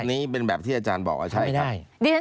อันนี้เป็นแบบที่อาจารย์บอกว่าใช่ครับ